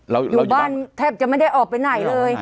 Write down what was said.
อยู่บ้านแทบจะไม่ได้ออกไปไหนเลย